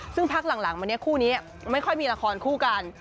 ซึ่งพักหลังมาเนี่ยคู่นี้ไม่ค่อยมีละครคู่กัน